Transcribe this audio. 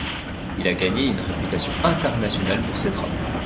Il a gagné une réputation internationale pour ses travaux.